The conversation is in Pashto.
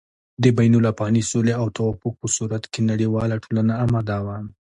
د بين الافغاني سولې او توافق په صورت کې نړېواله ټولنه اماده وه